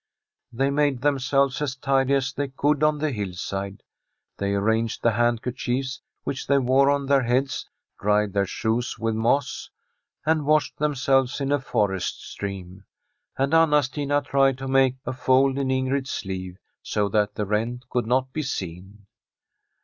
They made themselves as tidy as they could on the hillside. They arranged the handkerchiefs which they wore on their heads, dried their shoes with moss, and washed themselves in a forest stream, and Anna Stina tried to make a fold in In grid's sleeve so that the rent could not be seen.